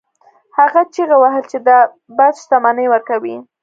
هغه چیغې وهلې چې دا بت شتمني ورکوي.